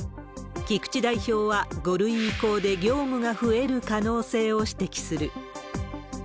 菊池代表は、５類移行で業務が増える可能性を指摘する。